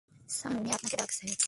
Sir, ওনি আপনাকে ডাকছে।